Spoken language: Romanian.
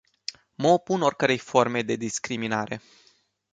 Mă opun oricărei forme de discriminare.